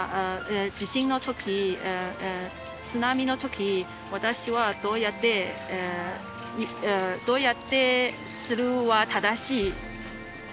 地震の時津波の時私はどうやってどうやってするは正しいです。